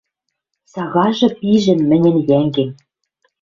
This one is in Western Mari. Сагажы пижӹн мӹньӹн йӓнгем...